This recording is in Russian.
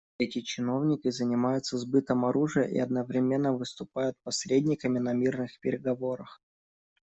Эти чиновники занимаются сбытом оружия и одновременно выступают посредниками на мирных переговорах.